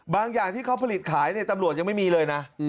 อย่างที่เขาผลิตขายตำรวจยังไม่มีเลยนะ